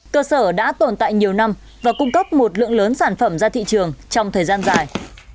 cơ sở đã tồn tại nhiều năm và cung cấp một lượng lớn sản phẩm ra thị trường trong thời gian dài